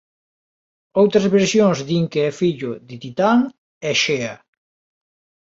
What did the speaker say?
Outras versións din que é o fillo de Titán e Xea.